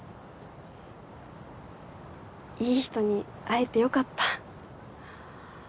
いい人に会えてよかった。